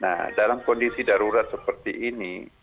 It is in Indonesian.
dan dalam kondisi darurat seperti ini